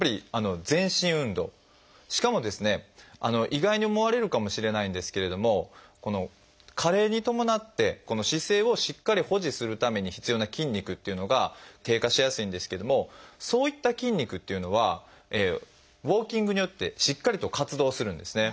意外に思われるかもしれないんですけれども加齢に伴って姿勢をしっかり保持するために必要な筋肉っていうのが低下しやすいんですけどもそういった筋肉っていうのはウォーキングによってしっかりと活動するんですね。